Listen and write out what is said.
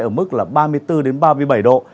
ở mức là ba mươi bốn ba mươi bảy độ